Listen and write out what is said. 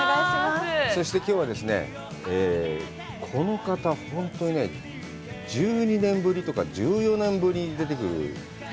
そして、きょうはですね、この方、本当にね、１２年ぶりとか、１４年ぶりに出てくる。